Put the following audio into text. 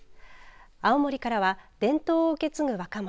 青森からは伝統を受け継ぐ若者。